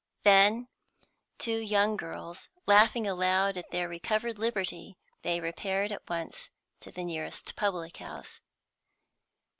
Then two young girls, laughing aloud at their recovered liberty; they repaired at once to the nearest public house.